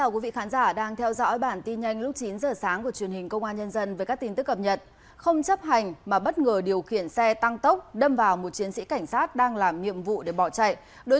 cảm ơn các bạn đã theo dõi